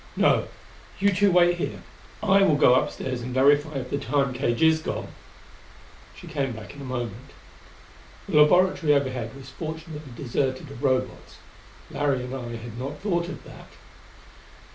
No you two wait here. I will go upstairs and verify if the Time cage is gone." She came back in a moment. The laboratory overhead was fortunately deserted of Robots: Larry and I had not thought of that.